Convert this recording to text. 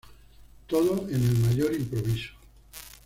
Todo en el mayor improviso.